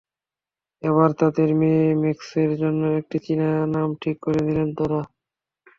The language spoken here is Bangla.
এবারে তাঁদের মেয়ে ম্যাক্সের জন্য একটি চীনা নাম ঠিক করে দিলেন তাঁরা।